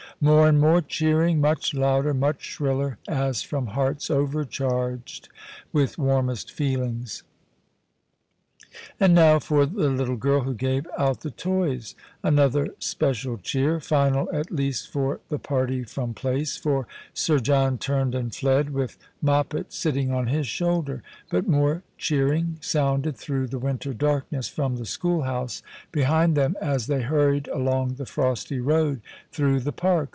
More and more cheering, much louder, much shriller, as from hearts overcharged with warmest feelings. " And now for the little girl who gave out the toys." Another special cheer — final at least for the party from Place, for Sir John turned and fled, with Moj^pet sitting on his shoulder ; but more cheering sounded through the winter darkness from the schoolhouse behind The Christmas Hirelings. 179 them as they hurried along the frosty road through the park.